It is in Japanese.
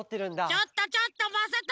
ちょっとちょっとまさとも！